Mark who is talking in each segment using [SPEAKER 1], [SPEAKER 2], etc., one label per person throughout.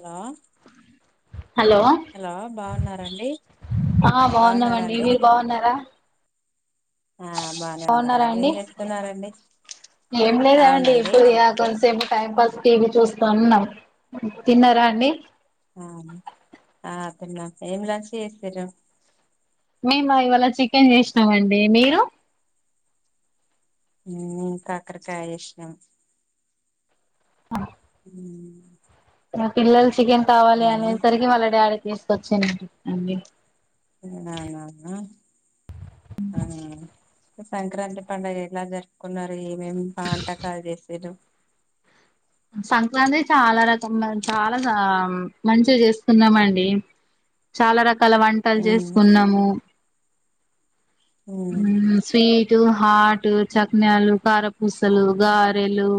[SPEAKER 1] Hello
[SPEAKER 2] hello
[SPEAKER 1] hello బావున్నారండి?
[SPEAKER 2] ఆ బాగున్నామండి మీరు బాగున్నారా
[SPEAKER 1] ఆ బానే
[SPEAKER 2] బాగున్నారా
[SPEAKER 1] ఉన్నావండి ఏం
[SPEAKER 2] అండి
[SPEAKER 1] చేస్తున్నారండి
[SPEAKER 2] ఏం లేదండి
[SPEAKER 1] అవునండి
[SPEAKER 2] ఇప్పుడు కొంచెంసేపు టైం పాస్ టీవీ చూస్తా ఉన్నాం తిన్నారా అండి
[SPEAKER 1] ఆ ఆ తిన్నాం ఏం లంచ్ చేసారు
[SPEAKER 2] మేము ఇవాళ చికెన్ చేసినాం అండి మీరు
[SPEAKER 1] హు నేను కాకరకాయ చేసినం
[SPEAKER 2] ఆ
[SPEAKER 1] ఊ
[SPEAKER 2] మా పిల్లలు చికెన్ కావాలి అనేసరికి వాళ్ళ డాడీ తీసుకొచ్చిండు అండి.
[SPEAKER 1] [unintelligible] సంక్రాంతి పండుగ ఎలా జరుపుకున్నారు ఏమేం బాంటకాలు
[SPEAKER 2] సంక్రాంతి చాలా రకం చాలా ఆ మంచిగా చేస్తున్నామండి చాలా రకాల వంటలు
[SPEAKER 1] మ్మ్
[SPEAKER 2] చేసుకున్నాము
[SPEAKER 1] మ్మ్
[SPEAKER 2] హు స్వీ టు హార్ట్ చక్నాలు కారపూసలు గారెలు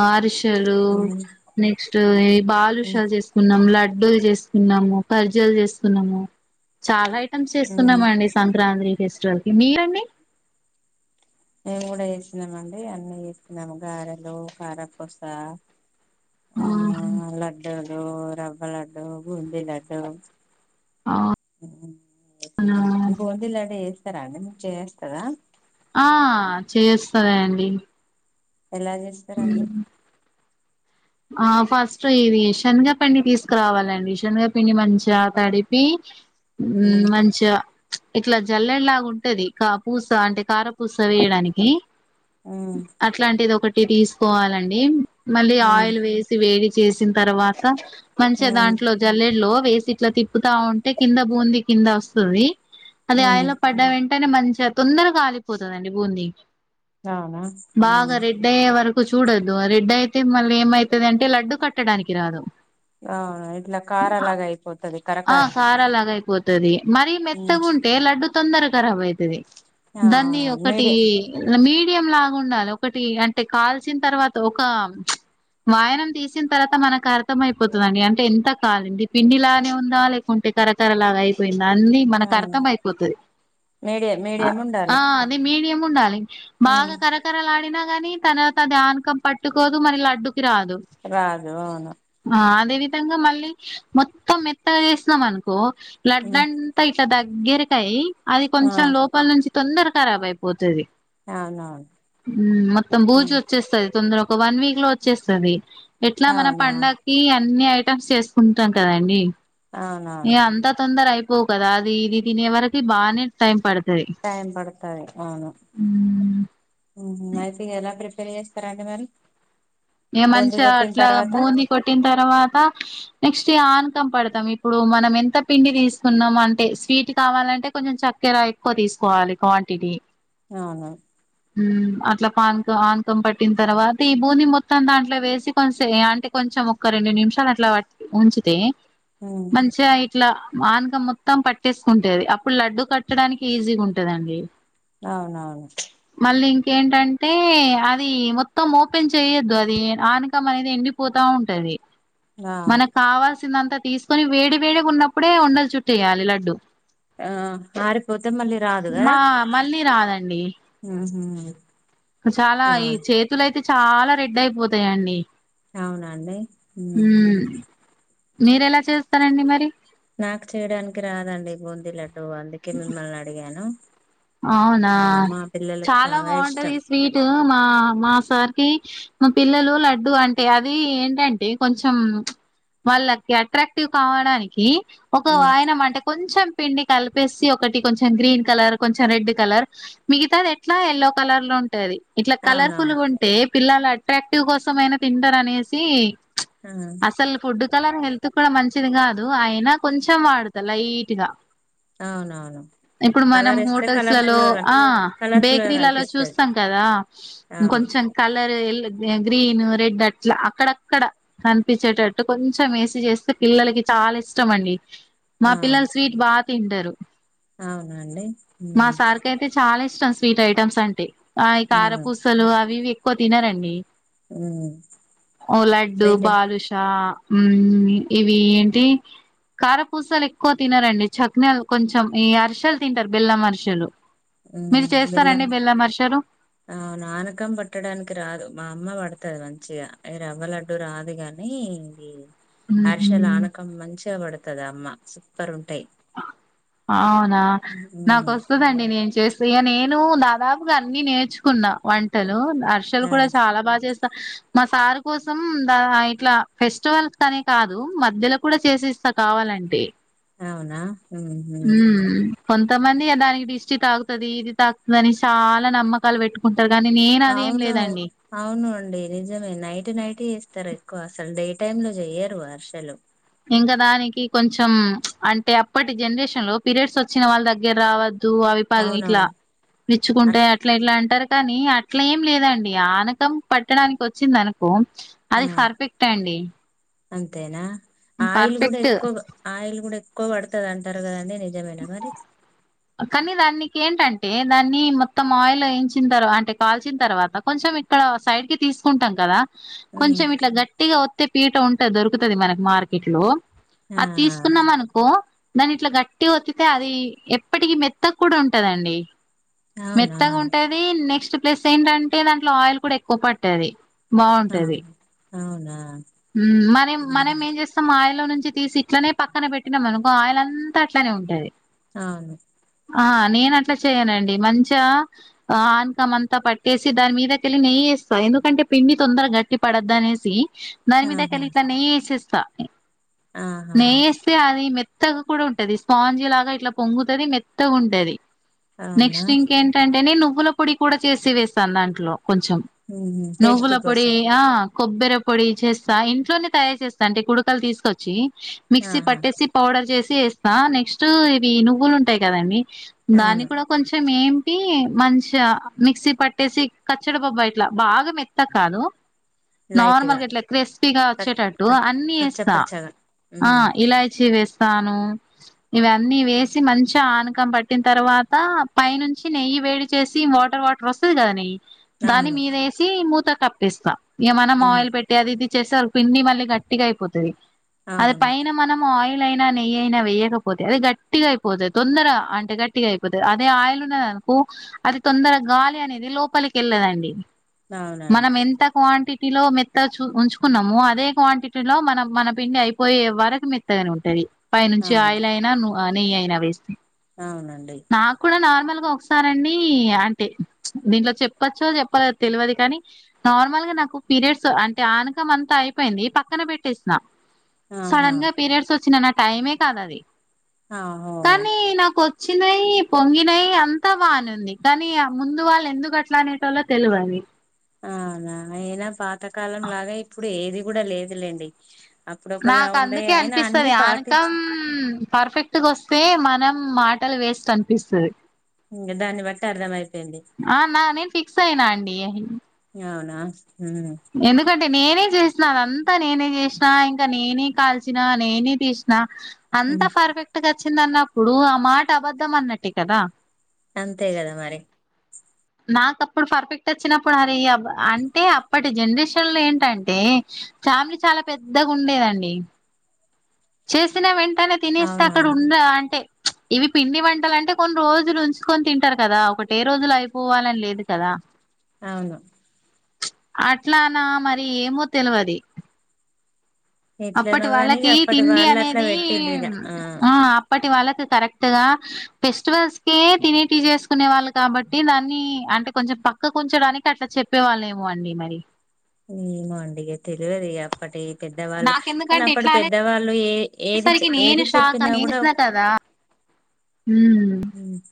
[SPEAKER 2] అరిశే లు
[SPEAKER 1] మ్మ్
[SPEAKER 2] నెక్స్ట్
[SPEAKER 1] మ్మ్
[SPEAKER 2] బాదుషాలు చేసుకున్నాం లాడ్ లడ్డలు చేసుకున్నాము ఖర్జులు చేసుకున్నాము చాలా
[SPEAKER 1] మ్మ్
[SPEAKER 2] చేస్తున్నామండి సంక్రాంతి ఫెస్టివల్ కి మీరు అండి
[SPEAKER 1] మేము కూడా చేస్తున్నామ అండి అన్ని చేస్తున్నాము గారెలు కారాపూస ఆ లడ్డూలు రవ్వ లడ్డు బొంది లడ్డు
[SPEAKER 2] అవునా
[SPEAKER 1] [inaudible] బొంది లడ్డు చేస్తారా అండి మీరు చెయ్యొస్తదా
[SPEAKER 2] ఆ చెయ్యొస్తదా అండి
[SPEAKER 1] ఎలా చేస్తారండి
[SPEAKER 2] ఆ ఫస్ట్ ఇది శనగపిండి తీసుకురావాలండి శనగపిండి మంచిగా తడిపి ఉ
[SPEAKER 1] మ్మ్
[SPEAKER 2] మంచిగా ఇట్లా జల్లెం లాగా ఉంటది కా పూస అంటే కారపూస తీయడానికి
[SPEAKER 1] మ్మ్
[SPEAKER 2] అట్లాంటిది ఒకటి తీసుకోవాలండి మళ్ళీ
[SPEAKER 1] మ్మ్
[SPEAKER 2] ఆయిల్ వేసి వేడి చేసిన తర్వాత మంచిగా
[SPEAKER 1] మ్మ్
[SPEAKER 2] దాంట్లో జల్లె లో వేసి ఇట్లా తిప్పి తిప్పుతా ఉంటే కింద బొంది కింద వస్తుంది అది
[SPEAKER 1] మ్మ్
[SPEAKER 2] ఆయిల్ లో పడ్డా వెంటనే మంచి తొందరగా కాలిపోతుందండి బొంది
[SPEAKER 1] అవునా మ్మ్
[SPEAKER 2] బాగా రెడ్ అయ్యే వరకు చూడొదు రెడ్ అయితే మళ్ళీ ఏమవుతుంది అంటే లడ్డు కట్టడానికి రాదు
[SPEAKER 1] ఆ ఇట్లా కారాలాగా అయిపోతది
[SPEAKER 2] ఆ
[SPEAKER 1] కరకార
[SPEAKER 2] కారలాగ అయిపోతదిమరి
[SPEAKER 1] మ్మ్
[SPEAKER 2] మెత్తగాంటే లడ్డు తొందర కరాబ్ అయితది దాన్ని
[SPEAKER 1] అవునవును
[SPEAKER 2] ఒకటి
[SPEAKER 1] మీడియం
[SPEAKER 2] మీ యం లాగా ఉండాలి ఒకటి అంటే కాల్సిన తర్వాత ఒక వాయనం తీసిన తర్వాత మనకు అర్థం అయిపోతుందండి అంటే ఎంత కాలింది పిండిలా నే వుందా లేకుంటే కరా కరాలాగాయిపోయి అంది మనకు
[SPEAKER 1] అవును
[SPEAKER 2] అర్థం అయిపోతుది
[SPEAKER 1] మీడియం మీడియం
[SPEAKER 2] ఆ
[SPEAKER 1] ఉండాలి
[SPEAKER 2] అది మీడియం ఉండాలి
[SPEAKER 1] మ్మ్
[SPEAKER 2] బాగా కరకరలాడినా కాని తనవాత దా ఆనకం పట్టుకోదు మన లడ్డు అది రాదు
[SPEAKER 1] రాదు అవును
[SPEAKER 2] ఆ అదే విధంగా మళ్ళీ మొత్తం మెత్తగా చేసినం అనుకో
[SPEAKER 1] మ్మ్
[SPEAKER 2] లడ్డంతా దగ్గరికై అది
[SPEAKER 1] ఆ
[SPEAKER 2] కొంచెం లోపల నుంచి తొందర కరాబ్ అయిపోతది
[SPEAKER 1] అవునవును
[SPEAKER 2] మొత్తం బూజు
[SPEAKER 1] మ్మ్
[SPEAKER 2] వచ్చేస్తుది తొందర ఒక వన్ వీక్ లో వచ్చేస్తుది ఎట్లా మన
[SPEAKER 1] అవునా
[SPEAKER 2] పండగకి అన్ని ఐటమ్స్ చేసుకుంటాం కదండి ఇగ
[SPEAKER 1] అవునవును
[SPEAKER 2] అంత తొందర అయిపోవు కదా అది ఇది తినే వరకి బాగానే టైం పడుత
[SPEAKER 1] టైం పడతది ఆవును
[SPEAKER 2] మ్
[SPEAKER 1] హు అయితే ఎలా ప్రిపే ప్రిపేర్ చేస్తారా అండి మీరు
[SPEAKER 2] ఇగ మంచిగా అట్లా బొంది కొట్టిన తర్వాత నెక్స్ట్ ఆనకం పడతాం ఇప్పుడు మనం ఎంత పిండి తీసుకున్నాం అంటే స్వీట్ కావాల అంటే కొంచెం చక్కెర ఎక్కువ తీసుకోవాలి క్వాంటిటీ
[SPEAKER 1] ఆ
[SPEAKER 2] హ్మ్ అట్లా పాన్క ఆన్కం పట్టిన తర్వాత ఈ బూన్ది మొత్తం మొత్తం దాంట్లో వేసి కొంచ అంటే కొంచెం ఒక్క రెండు నిమిషాలు అట్లా ఉంచితే
[SPEAKER 1] ఉమ్
[SPEAKER 2] మంచిగా ఇట్లా మానకం మొత్తం పట్టేసుకుంటది అప్పుడు లడ్డు కట్టడానికి ఈజీ ఉంటదండి
[SPEAKER 1] అవునా
[SPEAKER 2] ఏంటంటే అది మొత్తం ఓపెన్ చేయొద్దు అది వే ఆనకం అనేది ఎండిపోతా ఉంటది
[SPEAKER 1] అవు
[SPEAKER 2] మనకు కావాలసి చేసిందంతా తీసుకొని వేడి వేడిగా ఉన్నప్పుడే ఉండలు చుట్టేయాలి లడ్డు
[SPEAKER 1] ఆ ఆరిపోతే మళ్ళీ రాదు కదా
[SPEAKER 2] మా మళ్ళీ రాదండి
[SPEAKER 1] హ్మ్
[SPEAKER 2] చాలా ఈ చేతులుయితే చాలా రెడ్ అయిపోతాయండి
[SPEAKER 1] అవునా అండి మ్మ్ హ్మ్
[SPEAKER 2] మీర ఎలా చేస్తరండి మరి
[SPEAKER 1] నాకు చేయడానికి రాదండి బూందీ లడ్డుూ అందుకే మిమ్మల్ని అడిగాను
[SPEAKER 2] అవునా
[SPEAKER 1] ఆ మా పిల్లలకు
[SPEAKER 2] చాలా బాగుంటది
[SPEAKER 1] ఇష్టం
[SPEAKER 2] స్వీట్ మా మా సార్ టి మా పిల్లలు లడ్డుూ అంటే అది ఏంటంటే కొంచెం వాళ్ళకి అట్రాక్టివ్ కావడానికి ఒక
[SPEAKER 1] ఉమ్
[SPEAKER 2] వాయనం అంటే కొంచెం పిండి కలిపేసి ఒకటి కొంచెం గ్రీన్ కలర్ కొంచెం రెడ్ కలర్ మిగతాది ఎట్లా ఎయల్లో కలర్ లో ఉంటది ఇట్లా కలర్ఫుల్
[SPEAKER 1] అవునవును
[SPEAKER 2] గా ఉంటే పిల్లలు అట్రాక్టివ్ కోసం అయినా తింటారు అనేసి
[SPEAKER 1] ఆ
[SPEAKER 2] అసలు ఫుడ్ ఫుడ్ కలర్ హెల్త్ కి కూడా మంచిది కాదు అయినా కొంచెం వాడుతా లైట్గా
[SPEAKER 1] అవునవును
[SPEAKER 2] ఇప్పుడు మనం
[SPEAKER 1] కలర్ ఏస్తే
[SPEAKER 2] హోటల్స్లలో
[SPEAKER 1] కలర్ఫుల్ గా కన్
[SPEAKER 2] ఆ
[SPEAKER 1] కలర్ఫుల్ గా
[SPEAKER 2] బేకరీలలో
[SPEAKER 1] కనిపిస్తది
[SPEAKER 2] చూస్తాం కదా కొంచెం
[SPEAKER 1] అవును
[SPEAKER 2] చెం కలర్ ఎ గ్రీను రెడ్ అట్లా అక్కడక్కడ కనిపించేటట్టు కొంచెం వేసి చేస్తే పిల్లలకి చాలా ఇష్టము అండి మా పిల్లలు స్వీట్ బా తింటారు
[SPEAKER 1] అవునా అండి
[SPEAKER 2] మా సార్కి అయితే చాలా ఇష్టం స్వీట్ ఐటెమ్స్ అంటే ఆ
[SPEAKER 1] అవును
[SPEAKER 2] కారపూసలు అవి ఇవి ఎక్కువ తినారండి
[SPEAKER 1] హ్మ్
[SPEAKER 2] లడ్డు బాదుషా మ్మ్ ఇవి ఏంటి కారపూసలు ఎక్కువ తినారండి చక్నలు కొంచెం ఈ అరీసెలు తింటారు బెల్లం అరిసెలు
[SPEAKER 1] మ్మ్
[SPEAKER 2] మీరు
[SPEAKER 1] బెల్లం
[SPEAKER 2] చేస్తారండి అరిసెలు
[SPEAKER 1] ఆ నానకం పట్టడానికి రాదు మా అమ్మ పడుత తది మంచిగా ఈ రవ్వ లడ్డు రాదు గాని ఇది
[SPEAKER 2] ఉహు
[SPEAKER 1] అర్షల్ ఆనకం మంచిగా పడుతది అమ్మ సూపర్ ఉంటాయి
[SPEAKER 2] అవునా నాకు
[SPEAKER 1] ఉమ్
[SPEAKER 2] వస్తుందండి నేను చేస్త ఇక నేను దాదాపుగా అన్ని నేర్చుకున్నా వంటలు అర్షలు
[SPEAKER 1] ఆ
[SPEAKER 2] కూడా చాలా బాగా చేస్త మా సారు కోసం ద ఇట్లా ఫెస్టివల్స్ అనే కాదు మధ్యలో కూడా చేసేస్ అస కావాలంటే
[SPEAKER 1] అవునా మ్మ్ హ్మ్
[SPEAKER 2] ఉమ్ కొంతమంది దానికి డిస్టి తాగుతది ఇది తాగుతది అని చాలా నమ్మకాలు పెట్టుకుంట
[SPEAKER 1] అవును అవును అండి నిజమే నైట్ నైట్ ఇస్తారు ఎక్కువ అసలు డే టైం లో చెయ్యరు అరిసెలు
[SPEAKER 2] ఇంకా దానికి కొంచెం అంటే అప్పటి జనరేషన్ లో పీరియడ్స్ వచ్చిన వాళ్ళ దగ్గర రావద్దు అవి పగ ఇట్లా
[SPEAKER 1] అవునవును అట్
[SPEAKER 2] మెచ్చుకుంటే అట్లా ఇట్లా అంటారు కానీ అట్ల ఏం లేదండి ఆనకం పట్టడానికి వచ్చింది అనుకో
[SPEAKER 1] ఆ,
[SPEAKER 2] అది పర్ఫెక్ట్ అండి
[SPEAKER 1] అంతేనా ఆయిల్ కూడా
[SPEAKER 2] పర్ఫెక్ట్
[SPEAKER 1] ఎక్కువ ఆయిల్ కూడా ఎక్కువ పడుతది అంటారు కదండి నిజమేనా మరి
[SPEAKER 2] కానీ దానికి ఏంటంటే దాన్ని మొత్తం ఆయిల్ వేయించిన తర్వా అంటే కాల్చిన తర్వాత కొంచెం మే ఇక్కడ సైడ్ కి తీసుకుంటాం కదా
[SPEAKER 1] ఉమ్
[SPEAKER 2] కొంచెం ఇట్లా గట్టిగా వతే పీట ఉంటది దొరుకుతది మనకి మార్కెట్ లో
[SPEAKER 1] ఆ
[SPEAKER 2] అది తీసుకున్నాం అనుకో దాని ఇట్లా గట్టిగా ఒత్తితే అది ఇప్పటికి మెత్తకు కూడా ఉంటదండి
[SPEAKER 1] అవునా
[SPEAKER 2] మెత్తగా ఉంటది నెక్స్ట్ ప్లస్ ఏంటంటే దాంట్లో ఆయిల్ కూడా ఎక్కువ పట్టది.
[SPEAKER 1] ఆ
[SPEAKER 2] బాగుంటది
[SPEAKER 1] అవునా
[SPEAKER 2] మనం మనం
[SPEAKER 1] ఉహు.
[SPEAKER 2] ఏం చేస్తాం ఆయిల్ లో నుంచి ఇచ్చి తీసి ఇట్లనే పక్కన పెట్టినాం అనుకో ఆయిల్ అంతా అట్లానే ఉంటది.
[SPEAKER 1] అవును
[SPEAKER 2] ఆ నేను అట్లా చెయనండి మంచిగా ఆన్కాం అంతా పట్టేసి దాని మీదకిళ్ళి నెయ్యి ఇస్తా ఎందుకంటే పిండి తొందరగా గట్టి పడద్ద అనేసి దాని మీద
[SPEAKER 1] ఆహా
[SPEAKER 2] కెట్ల ఇట్లా నెయ్యి వేసేస్తా
[SPEAKER 1] ఆహా
[SPEAKER 2] నెయ్య వేస్తే అది మె మెత్తగా కూడా ఉంటది స్పాంజీ లాగా ఇట్లా పొంగుతది మెత్తగా ఉంటది.
[SPEAKER 1] అవునా
[SPEAKER 2] నెక్స్ట్ ఇంకేంటంటే నేను నువ్వుల పొడి కూడా చేసి వేస్తాను దాంట్లో కొంచం
[SPEAKER 1] ఉహు.
[SPEAKER 2] నువ్వుల
[SPEAKER 1] టేస్టీ
[SPEAKER 2] పొడి
[SPEAKER 1] కోసం
[SPEAKER 2] ఆ కొబ్బర పొడి చేస్తా ఇంట్లోనే తయారు చేస్తా అంటే కుడకలు తీసుకొచ్చి మిక్సీ
[SPEAKER 1] ఆహా
[SPEAKER 2] పట్టేసి పౌడర్ చేసి వేస్తా నెక్స్ట్ ఇవి నువ్వులు ఉంటాయి కదండి దాన్ని
[SPEAKER 1] అవును
[SPEAKER 2] కూడా కొంచెం ఏం చెప్పి మంచిగా మిక్సీ పట్టేసి కచ్చడ బబ్బా ఇట్లా బాగా మెత్తగా కాదు.
[SPEAKER 1] లైట్గా
[SPEAKER 2] నార్మల్గా ఇట్లా క్రిస్పీగా
[SPEAKER 1] కట్
[SPEAKER 2] వచ్చేటట్టు
[SPEAKER 1] కట్
[SPEAKER 2] అన్ని
[SPEAKER 1] కచ్చ
[SPEAKER 2] ఏస్తా
[SPEAKER 1] పచ్చగా
[SPEAKER 2] ఆ
[SPEAKER 1] ఉమ్.
[SPEAKER 2] ఇలాచి వేస్తాను ఇవ అన్ని వేసి మంచిగా ఆనకం పట్టిన తర్వాత పై నుంచి నెయ్యి వేడి చేసి వాటర్ వాటర్ వ స్తాది దాని
[SPEAKER 1] అవును
[SPEAKER 2] మీద వేసి మూత కప్పేస్తా ఇక మనం
[SPEAKER 1] ఉమ్.
[SPEAKER 2] ఆయిల్ పెట్టే అది ఇది చేస్తారు పిండి మళ్ళీ గట్టిగా అయిపోతది అది
[SPEAKER 1] అవును
[SPEAKER 2] పైన మనం ఆయి లు ఐన నేయ్యి వేయకపోతే అది గట్ గట్టిగా అయిపోతది తొందర అంటే గట్టిగా అయిపోతది అదే ఆయిల్ ఉన్నదనుకో అది తొందర గాలి అనేది. ఇది లోపలికి వెళ్ళదండి
[SPEAKER 1] అవునండి
[SPEAKER 2] మనం ఎంత క్వాంటిటీ లో మెత్తగా చ ఉంచుకున్నాము అదే క్వాంటిటీ లో మన మన పిండి అయిపోయే వరకు మెత్తగాని ఉంటది పై నుంచి
[SPEAKER 1] అవును
[SPEAKER 2] ఆయిల్ అయినా నెయ్యి అయినా వేస్తే
[SPEAKER 1] అవునండి
[SPEAKER 2] నాకు నార్మల్ ఒకసారి అండి అంటే దీంట్లో చెప్పచ్చో చెప్ప తెలిదు కానీ నార్మల్ నాకు పీరియడ్స్ అంటే ఆనకం అంతా అయిపోయింది పక్కన పెట్టేసిన
[SPEAKER 1] ఆహా
[SPEAKER 2] సడన్ గా పీరియడ్స్ వచ్చిన నా టైమే కాదది.
[SPEAKER 1] ఆహఓ
[SPEAKER 2] వచ్చినయి పొంగినాయి అంతా బాగానేంది కానీ ముందు వాళ్ళు ఎందుకు అట్లా అనేటోలో తెలువది.
[SPEAKER 1] అనా అయినా పాతకాలం లాగా ఇప్పుడు ఏది కూడా లేదులేండి. అప్పుడు ఒకలా
[SPEAKER 2] నాకు
[SPEAKER 1] ఉండే
[SPEAKER 2] అందుకే
[SPEAKER 1] ఆయన అన్ని
[SPEAKER 2] అనిపిస్తది
[SPEAKER 1] పాటించి
[SPEAKER 2] ఆనకం పర్ఫెక్ట్గా వస్తే మనం మాటలు వేస్ట్ అనిపిస్తది.
[SPEAKER 1] ఇంక దాన్ని బట్టి అర్థమయిపోయింది
[SPEAKER 2] ఆ నా నేను ఫిక్స్ అయినా అండి అ
[SPEAKER 1] అవునా ఉమ్.
[SPEAKER 2] ఎందుకంటే నేనే చేసి ఇప్పుడు అదంతా నేనే చేసినా ఇంకా నేనే కాల్చినా నేనే తీసిన అంతా
[SPEAKER 1] ఉమ్.
[SPEAKER 2] పర్ఫెక్ట్గా వచ్చిందన్నప్పుడు ఆ మాట అబద్ధం అన్నటే కదా
[SPEAKER 1] అంతే కదా మరి
[SPEAKER 2] నాక అప్పుడు పర్ఫెక్ట్ వచ్చినప్పుడు హరే అంటే అప్పటి జనరేషన్ లో ఏంటంటే ఫ్యామిలీ చాలా పెద్దగా ఉండేదండి. చేసినా వెంటనే తినేస్తే అక్కడ
[SPEAKER 1] అవునవును
[SPEAKER 2] ఉందా అంటే ఇవి పిండి వంటలు అంటే కొన్ని రోజులు ఉంచుకొని తింటారు కదా ఒకటే రోజులు అయిపోవాలని లేదు కదా
[SPEAKER 1] అవును
[SPEAKER 2] అట్లానా మరి ఏమో తెలువది.
[SPEAKER 1] ఎట్లనో
[SPEAKER 2] అప్పటి
[SPEAKER 1] గాని ఇగ
[SPEAKER 2] వాళ్ళకి
[SPEAKER 1] అప్పటి
[SPEAKER 2] తిండి
[SPEAKER 1] వాళ్ళు అట్లా
[SPEAKER 2] అనేది
[SPEAKER 1] పెట్టిండ్రు ఇగ
[SPEAKER 2] ఆ అప్పటి వాళ్ళకి కరెక్ట్ గా ఫెస్టివల్స్ కే తినేటి చేసుకునే వాళ్ళు కాబట్టి దాన్ని అంటే కొంచం పక్కకుంచడానికి అట్లా చెప్పే వాళ్ళేమో అండి మరి
[SPEAKER 1] ఏమో అండి ఇగ తెలివదు అప్పటి పెద్దవాళ్ళు కానీ
[SPEAKER 2] నాకెందుకంటే
[SPEAKER 1] అప్పుడు
[SPEAKER 2] ఎట్లా
[SPEAKER 1] పెద్దవాళ్ళు ఏ ఏది
[SPEAKER 2] అనేసరికి నేను
[SPEAKER 1] ఏది
[SPEAKER 2] షాక్
[SPEAKER 1] చెప్పినా
[SPEAKER 2] నేను
[SPEAKER 1] గూడా [inaudible]
[SPEAKER 2] చేసిన కదా
[SPEAKER 1] ఉమ్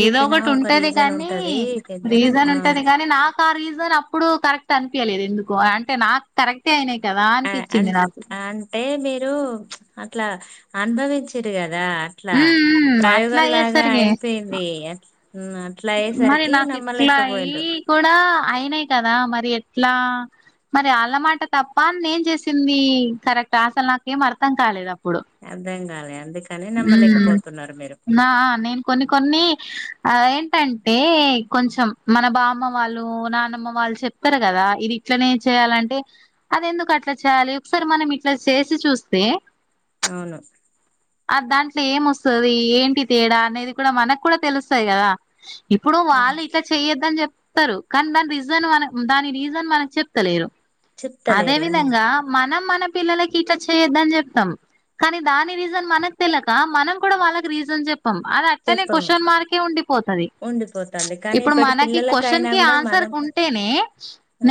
[SPEAKER 2] ఏదో ఒకటి ఉంటది కాని
[SPEAKER 1] ఉంటది పెద్దన
[SPEAKER 2] రీజన్
[SPEAKER 1] అవును
[SPEAKER 2] ఉంటది కాని నాకు ఆ రీజన్ అప్పుడు కరెక్ట్ అనిపియలేదు ఎందుకు అంటే నాకు కరెక్టే అయినాయి కదా అనిపించింది నాకు
[SPEAKER 1] ఏ మీరు అట్లా అనుభవించిరు గదా అట్లా
[SPEAKER 2] మ్మ్ అట్లా
[SPEAKER 1] ప్రయోగం లాగా
[SPEAKER 2] అయ్యేసరికి
[SPEAKER 1] అయిపోయింది అట్లా
[SPEAKER 2] మరి
[SPEAKER 1] అయ్యేసరికి
[SPEAKER 2] నాకు ఇట్లా అయి
[SPEAKER 1] నమ్మలేకపోయిండు
[SPEAKER 2] కూడా అయినాయి కదా మరి ఎట్లా మరి అల్లా మాట తప్ప నేను చేసింది కరెక్ట్ అసలు నాకేం అర్థం అర్ధం కాలేదా
[SPEAKER 1] అర్ధం గాలే అందుకే
[SPEAKER 2] ఉమ్ నా నేను కొన్ని కొన్ని ఆ ఏంటంటే కొంచెం మన బామ్మ వాళ్ళు నానమ్మ వాళ్ళు చెప్తరు గదా ఇది ఇట్లనే చేయాలంటే అది ఎందుకు అట్లా చేయాలి ఒకసారి మనం ఇట్లా చేసి చూస్తే
[SPEAKER 1] అవును
[SPEAKER 2] అ దాంట్లో ఏమొస్తది ఏంటి తేడా అనేది కూడా మనకు కూడా తెలుస్తది గదా ఇప్పుడు వాళ్ళు ఇట్లా చెయొద్దని జెప్ప చెప్తరు కానీ దాని రీజన్ మన దాని రీజన్ మనకి చెప్తలేరు అదే
[SPEAKER 1] చెప్తలేరు అవును
[SPEAKER 2] విధంగా మనం మన పిల్లలకి ఇట్లా చేయొద్దని జెప్తాం కానీ దాని రీజన్ మనకు తెలక మనం కూడా వాళ్ళకి రీజన్ జెప్ అది అట్టనే
[SPEAKER 1] చెప్పము
[SPEAKER 2] క్వశ్చన్ మార్కే ఉండిపోతది
[SPEAKER 1] ఉండిపోతుంది కానీ
[SPEAKER 2] ఇప్పుడు
[SPEAKER 1] ఇప్పటి
[SPEAKER 2] మనకి క్వశ్న్
[SPEAKER 1] పిల్లలకైనా
[SPEAKER 2] కి
[SPEAKER 1] కూడా
[SPEAKER 2] ఆన్సర్
[SPEAKER 1] మనం
[SPEAKER 2] ఉంటేనే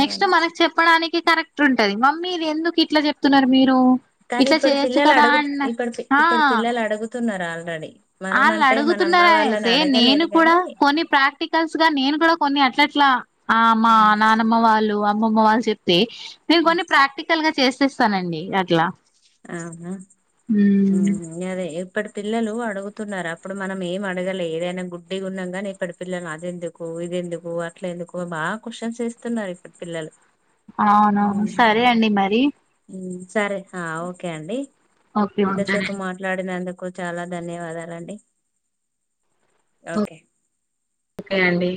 [SPEAKER 2] నెక్స్ట్ మనకు చెప్పడానికి కరెక్ట్ ఉంటది మమ్మీ ఇది ఎందుకు ఇట్లా చెప్తున్నారు మీరు
[SPEAKER 1] కానీ
[SPEAKER 2] ఇట్లా
[SPEAKER 1] ఇప్పుడు
[SPEAKER 2] చేయొచ్చు
[SPEAKER 1] పిల్లలు
[SPEAKER 2] కదా
[SPEAKER 1] అడుగు
[SPEAKER 2] అన్న
[SPEAKER 1] ఇప్పుడు ఇప్పుడు పిల్లలు అడుగుతున్నారు ఆల్రెడీ మనం
[SPEAKER 2] వాళ్ళు
[SPEAKER 1] అంటే మన అమ్మ
[SPEAKER 2] అడుగుతున్నారనే
[SPEAKER 1] వాళ్ళని
[SPEAKER 2] సే నేను
[SPEAKER 1] అడగలేదు
[SPEAKER 2] కూడా
[SPEAKER 1] కానీ
[SPEAKER 2] కొన్ని ప్రాక్టికల్స్ గా నేను కూడా కొన్ని అట్లట్లా ఆ మా నానమ్మ వాళ్ళు అమ్మమ్మ వాళ్ళు చెప్తే నేను కొన్ని ప్రాక్టికల్ గా చేసేసానండి అట్లా
[SPEAKER 1] ఆహా ఉమ్ హు అదే ఇప్పటి పిల్లలు అడుగుతున్నారు అప్పుడు మనం ఏం అడగలే ఏదైనా గుడ్డిగా ఉన్నాం గానీ ఇప్పటి పిల్లలు అది ఎందుకు ఇది ఎందుకు అట్ల ఎందుకు బాగా క్వశ్చన్స్ ఏస్తున్నారు ఇప్పుటీ పిల్లలు
[SPEAKER 2] అవునా
[SPEAKER 1] ఉమ్,
[SPEAKER 2] సరే అండి మరి
[SPEAKER 1] ఉమ్, సరే ఆ ఓకే అండి
[SPEAKER 2] ఓకే
[SPEAKER 1] ఇంతసేపు
[SPEAKER 2] ఉంటానండి
[SPEAKER 1] మాట్లాడినందు కు చాలా ధన్యవాదాలండి ఓకే
[SPEAKER 2] ఓకే అండి